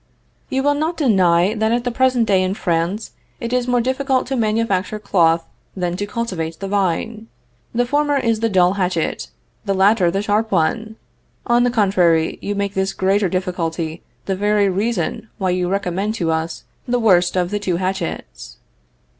You will not deny that at the present day in France it is more difficult to manufacture cloth than to cultivate the vine the former is the dull hatchet, the latter the sharp one on the contrary, you make this greater difficulty the very reason why you recommend to us the worst of the two hatchets.